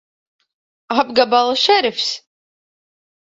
Apgabala šerifs!